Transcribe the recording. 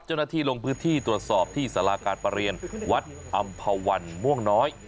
เจ้าหน้าที่ลงพื้นที่ตรวจสอบที่สาราการประเรียนวัดอำภาวันม่วงน้อย